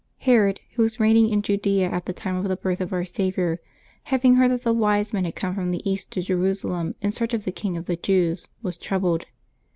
nEROD^ who was reigning in Judea at the time of the birth of Our Saviour, having heard that the Wise Men had come from the East to Jerusalem in search of the King of the Jews, was troubled.